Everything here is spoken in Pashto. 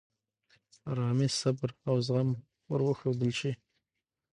آرامي، صبر، او زغم ور وښودل شي.